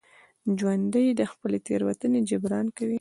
ژوندي د خپلې تېروتنې جبران کوي